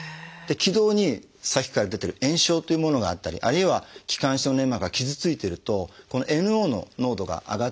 気道にさっきから出てる炎症というものがあったりあるいは気管支の粘膜が傷ついてるとこのＮＯの濃度が上がってくるんですね。